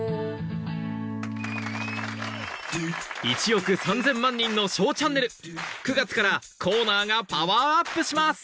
『１億３０００万人のＳＨＯＷチャンネル』９月からコーナーがパワーアップします